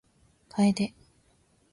楓